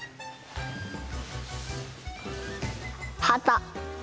はた！